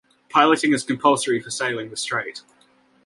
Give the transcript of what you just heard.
Piloting is compulsory for sailing the strait.